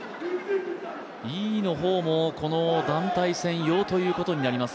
イの方も、この団体戦ということになります。